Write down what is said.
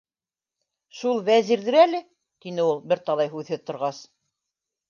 Шул Вәзирҙер әле, - тине ул, бер талай һүҙһеҙ торғас.